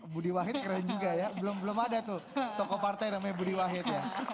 budi wahid keren juga ya belum ada tuh tokopartai namanya budi wahid ya